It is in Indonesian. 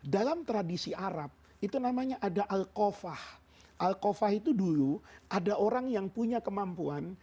dalam tradisi arab itu namanya ada alkofah al qafah itu dulu ada orang yang punya kemampuan